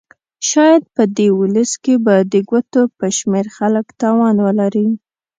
شاید په دې ولس کې به د ګوتو په شمېر خلک توان ولري.